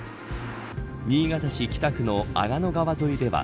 新潟市北区の阿賀野川沿いでは。